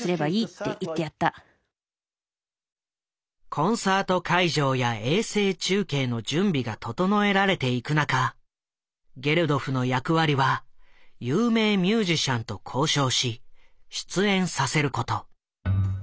コンサート会場や衛星中継の準備が整えられていく中ゲルドフの役割は有名ミュージシャンと交渉し出演させること。